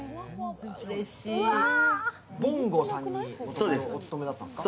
ぼんごさんにお勤めだったんですか？